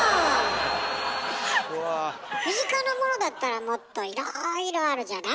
身近なものだったらもっといろいろあるじゃない？